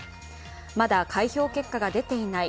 まだ開票結果が出ていない